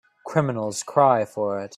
Criminals cry for it.